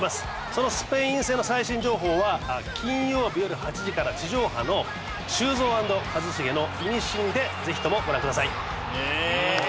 そのスペイン戦の最新情報は金曜日よる８時から地上波の『修造＆一茂のイミシン』でぜひともご覧ください。